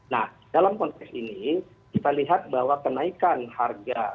nah dalam konteks ini kita lihat bahwa kenaikan harga